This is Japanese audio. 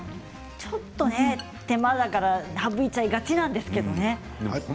ちょっと手間だから省いてしまいがちなんですけれどね。